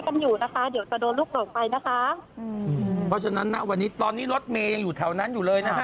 เพราะฉะนั้นนะวันนี้ตอนนี้รถเมย์ยังอยู่ที่แถวนั้นอยู่เลยนะฮะ